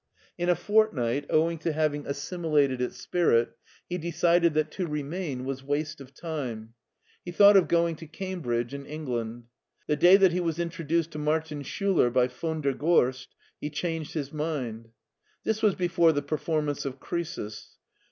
In a fortnight, owing to having assimilated its spirit, he decided that to re main was waste of time. He thought of going to Cambridge in England. The day that he was in troduced to Martin Schuler by von der Gorst he changed his mind. This was before the performance of " Croesus."